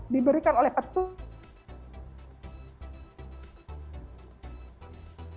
diberikan oleh petunjuk